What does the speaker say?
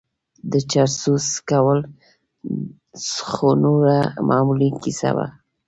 د چرسو څکول خو نوره معمولي کيسه وه.